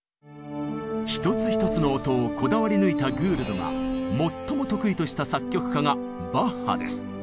一つ一つの音をこだわり抜いたグールドが最も得意とした作曲家がバッハです。